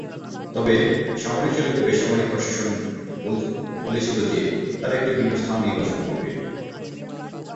তবে সামরিক-চালিত বেসামরিক প্রশাসন বলেছিল যে, তারা একটি ভিন্ন স্থান নির্বাচন করবে।